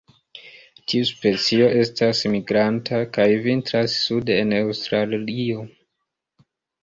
Tiu specio estas migranta, kaj vintras sude en Aŭstralio.